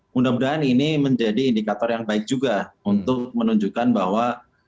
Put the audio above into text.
mudah mudahan ini menjadi indikator yang baik juga untuk menunjukkan bahwa